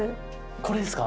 これですか？